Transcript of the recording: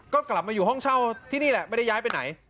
ก็กลับมาอยู่ห้องเช่าที่นี่แหละไม่ได้ย้ายไปไหน